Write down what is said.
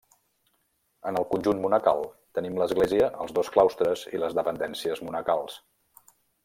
En el conjunt monacal tenim l'església els dos claustres i les dependències monacals.